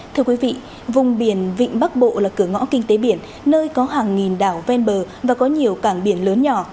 thưa quý vị vùng biển vịnh bắc bộ là cửa ngõ kinh tế biển nơi có hàng nghìn đảo ven bờ và có nhiều cảng biển lớn nhỏ